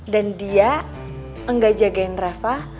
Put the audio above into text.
dan dia gak jagain reva